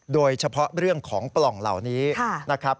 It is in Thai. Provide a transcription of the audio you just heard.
โดยเฉพาะเรื่องของปล่องเหล่านี้นะครับ